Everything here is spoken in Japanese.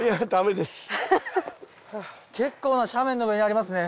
結構な斜面の上にありますね。